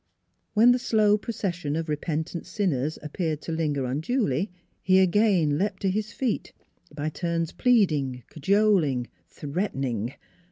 When the slow procession of repentant sinners appeared to linger unduly he again leaped to his feet, by turns pleading, cajoling, threatening.